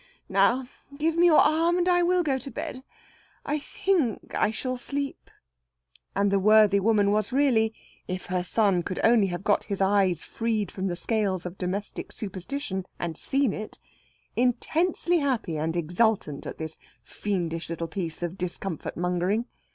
Now give me your arm, and I will go to bed. I think I shall sleep." And the worthy woman was really if her son could only have got his eyes freed from the scales of domestic superstition, and seen it intensely happy and exultant at this fiendish little piece of discomfort mongering.